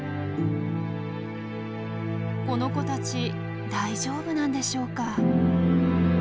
この子たち大丈夫なんでしょうか？